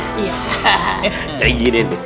kayak gini deh